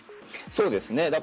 そうですね。